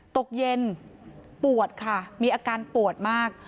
ตกเย็นปวดค่ะมีอาการปวดมาก